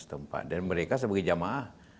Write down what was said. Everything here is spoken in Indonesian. setempat dan mereka sebagai jamaah